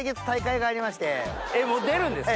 もう出るんですか？